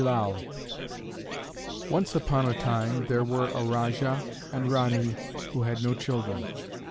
FRERE Once upon a time there were a Rajah and Ranee who had no children.